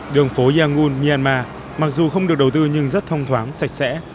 đường phố yangun myanmar mặc dù không được đầu tư nhưng rất thông thoáng sạch sẽ